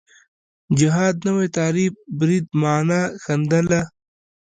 جهاد نوی تعریف برید معنا ښندله